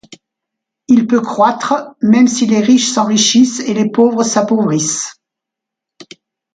Il peut croître, même si les riches s'enrichissent et les pauvres s'appauvrissent.